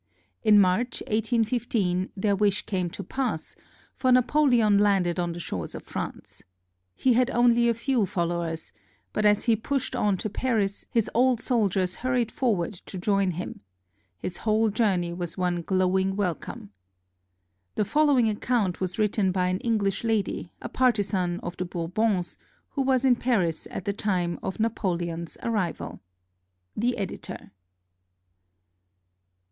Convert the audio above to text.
In March, 1815, their wish came to pass, for Napoleon landed on the shores of France. He had only a few followers, but as he pushed on to Paris, his old soldiers hurried forward to join him. His whole journey was one glowing welcome. The following account was written by an English lady, a partisan of the Bourbons, who was in Paris at the time of Napoleon's arrival. The Editor.